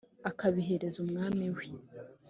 akabihereza umwami we